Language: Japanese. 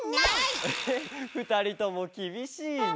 えっふたりともきびしいな。